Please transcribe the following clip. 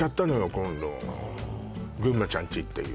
今度ぐんまちゃん家っていう